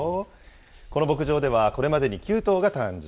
この牧場では、これまでに９頭が誕生。